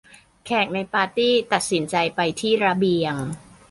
แขกในปาร์ตี้ตัดสินใจไปที่ระเบียง